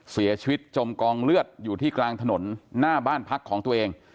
จมกองเลือดอยู่ที่กลางถนนหน้าบ้านพักของตัวเอง